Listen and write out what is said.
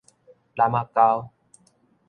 湳仔溝